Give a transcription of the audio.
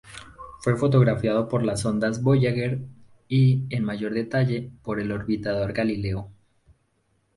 Fue fotografiado por las sondas "Voyager" y, en mayor detalle, por el orbitador "Galileo".